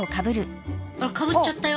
あっかぶっちゃったよ。